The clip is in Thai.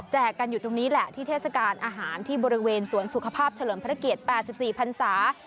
กันอยู่ตรงนี้แหละที่เทศกาลอาหารที่บริเวณสวนสุขภาพเฉลิมพระเกียรติ๘๔พันศา